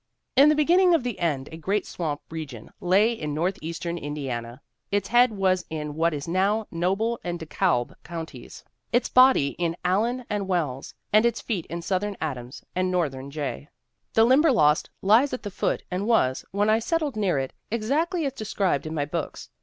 ' 'In the beginning of the end a great swamp re gion lay in northeastern Indiana. Its head was in what is now Noble and DeKalb counties; its body in 104 THE WOMEN WHO MAKE OUR NOVELS Allen and Wells, and its feet in southern Adams and northern Jay. The Limberlost lies at the foot and was, when I settled near it, exactly as described in my books.